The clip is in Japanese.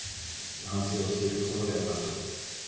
反省をしているところであります。